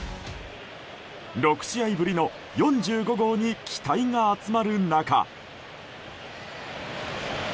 ６試合ぶりの４５号に期待が集まる中。